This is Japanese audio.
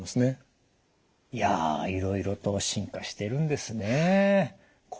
いやいろいろと進化してるんですね。